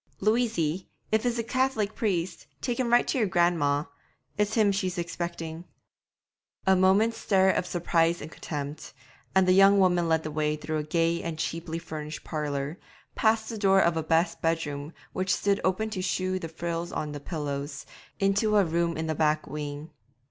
'Louisy, if it's a Cath'lic priest, take him right in to your gran'ma; it's him she's expecting.' A moment's stare of surprise and contempt, and the young woman led the way through a gay and cheaply furnished parlour, past the door of a best bedroom which stood open to shew the frills on the pillows, into a room in the back wing.